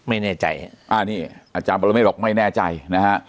อาจารย์ปรเมษรอกไม่แน่ใจนะฮะ